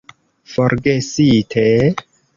Forgesite...